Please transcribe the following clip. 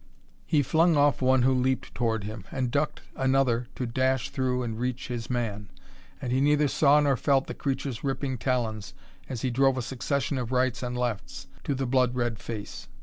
He flung off one who leaped toward him, and ducked another to dash through and reach his man. And he neither saw nor felt the creature's ripping talons as he drove a succession of rights and lefts to the blood red face.